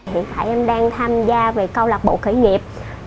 hiện tại em đang tham gia về câu lạc bộ khởi nghiệp